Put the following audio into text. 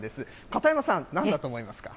片山さん、なんだと思いますか？